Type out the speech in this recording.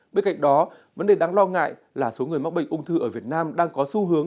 bên cạnh đó vấn đề đáng lo ngại là số người mắc bệnh ung thư ở việt nam đang có xu hướng